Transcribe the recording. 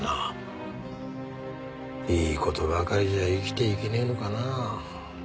いい事ばかりじゃ生きていけねえのかなあ。